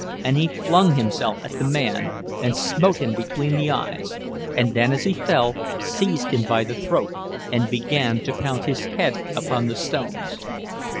And he flung himself at the man, and smote him between the eyes—and then, as he fell, seized him by the throat and began to pound his head upon the stones.